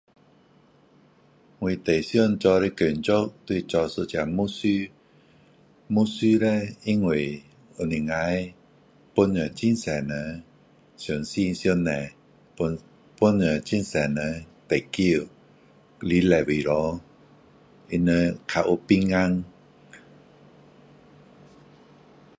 我最想做的工作就是做一个牧师牧师叻因为能够帮助很多人相信上帝帮助很多人得救来礼拜堂他们比较有平安